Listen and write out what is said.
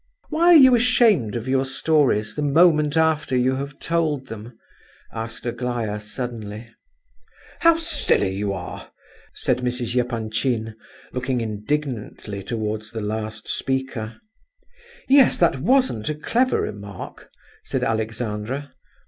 "Why are you ashamed of your stories the moment after you have told them?" asked Aglaya, suddenly. "How silly you are!" said Mrs. Epanchin, looking indignantly towards the last speaker. "Yes, that wasn't a clever remark," said Alexandra.